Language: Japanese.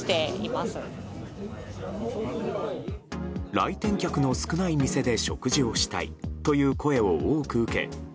来店客の少ない店で食事をしたいという声を多く受け